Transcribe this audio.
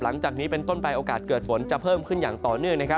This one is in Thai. หลังจากนี้เป็นต้นไปโอกาสเกิดฝนจะเพิ่มขึ้นอย่างต่อเนื่อง